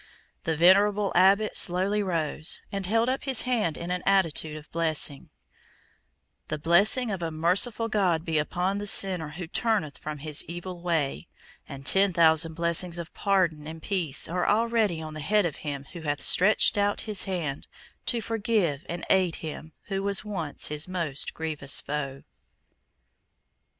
The venerable Abbot slowly rose, and held up his hand in an attitude of blessing: "The blessing of a merciful God be upon the sinner who turneth from his evil way; and ten thousand blessings of pardon and peace are already on the head of him who hath stretched out his hand to forgive and aid him who was once his most grievous foe!"